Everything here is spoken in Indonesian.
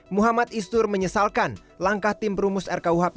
muhammad istur menyesalkan langkah tim perumus rkuhp